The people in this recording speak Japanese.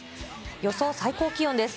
予想最高気温です。